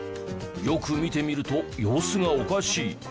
よく見てみると様子がおかしい。